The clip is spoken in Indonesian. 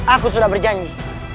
aku sudah berjanji